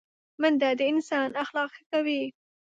منډه د انسان اخلاق ښه کوي